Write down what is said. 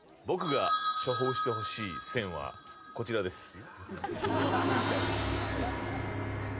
僕が処方してほしい「選」はこちらです。